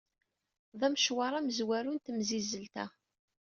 D amecwar amezwaru n temsizzelt-a.